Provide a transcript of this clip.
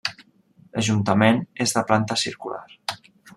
L'ajuntament és de planta circular.